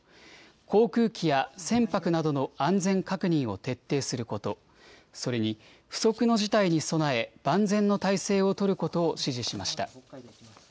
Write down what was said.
航空機や船舶などの安全確認を徹底すること、それに、不測の事態に備え、万全の態勢を取ることを指示しました。